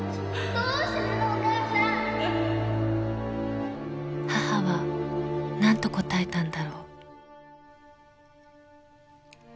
どうしてなのお母さん！！［母は何と答えたんだろう］